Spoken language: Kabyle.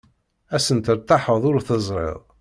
Ass-n tertaḥeḍ ur teẓriḍ.